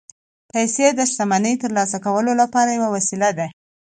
پیسې د شتمنۍ ترلاسه کولو لپاره یوه وسیله ده